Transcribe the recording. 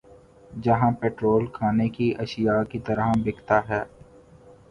جہاں پیٹرول کھانے کی اشیا کی طرح بِکتا ہے